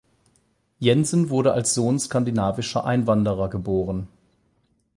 Jensen wurde als Sohn skandinavischer Einwanderer geboren.